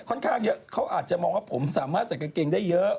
ค่อนข้างเยอะเขาอาจจะมองว่าผมสามารถใส่กางเกงได้เยอะ